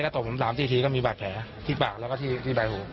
ตบผม๓๔ทีก็มีบาดแผลที่ปากแล้วก็ที่ใบหู